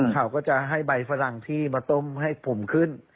เขาก็จะให้ใบฝรั่งที่มาต้มให้ผมขึ้น